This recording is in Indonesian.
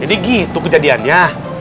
jadi gitu kejadiannya